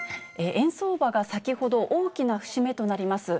円相場が先ほど、大きな節目となります